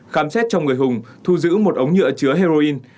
khám xét trong người hùng thu giữ một ống nhựa chứa heroin